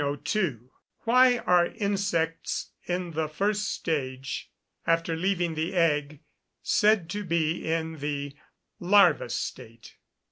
_Why are insects in the first stage, after leaving the egg, said to be in the "larva" state?